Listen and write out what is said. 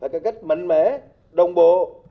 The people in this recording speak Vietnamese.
cải cách mạnh mẽ đồng bộ